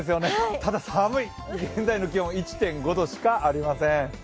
ただ寒い、現在の気温、１．５度しかありません。